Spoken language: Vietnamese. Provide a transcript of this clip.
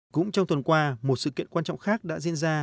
cũng trong tuần qua một sự kiện quan trọng khác đã diễn ra